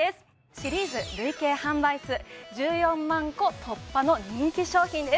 シリーズ累計販売数１４万個突破の人気商品です